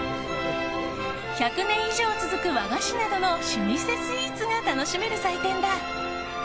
１００年以上続く和菓子などの老舗スイーツが楽しめる祭典だ。